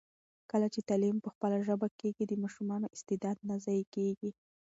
کله چي تعلیم په خپله ژبه کېږي، د ماشومانو استعداد نه ضایع کېږي.